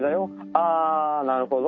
「あぁなるほど。